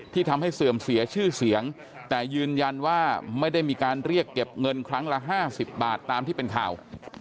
ทำให้เสื่อมเสียชื่อเสียงแต่ยืนยันว่าไม่ได้มีการเรียกเก็บเงินครั้งละ๕๐บาทตามที่เป็นข่าว